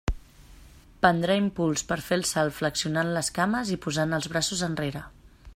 Prendrà impuls per fer el salt flexionant les cames i posant els braços enrere.